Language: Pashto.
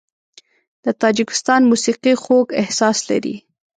د تاجکستان موسیقي خوږ احساس لري.